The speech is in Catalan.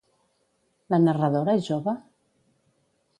La narradora és jove?